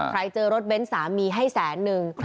เจอรถเบ้นสามีให้แสนนึง